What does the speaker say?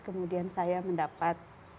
kemudian saya mendapat